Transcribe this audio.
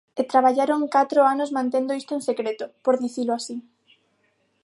E traballaron catro anos mantendo isto en secreto, por dicilo así.